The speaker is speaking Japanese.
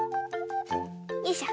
よいしょ。